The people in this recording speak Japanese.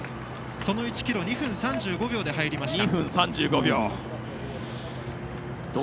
その１ｋｍ２分３５秒で入りました。